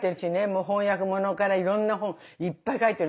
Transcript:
もう翻訳ものからいろんな本いっぱい書いてるでしょ。